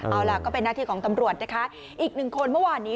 เอาละก็เป็นนักที่ของตำรวจกะทางอีกหนึ่งคนมาวันนี้